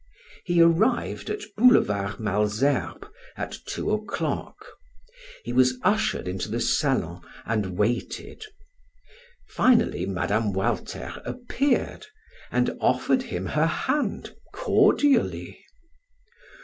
He arrived at Boulevard Malesherbes at two o'clock. He was ushered into the salon and waited. Finally Mme. Walter appeared and offered him her hand cordially.